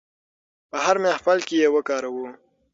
په هر محفل کې یې وکاروو.